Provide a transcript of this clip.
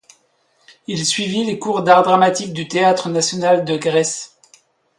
Il suivit les cours d'art dramatique du Théâtre national de Grèce.